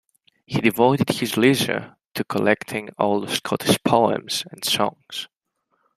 He devoted his leisure to collecting old Scottish poems and songs.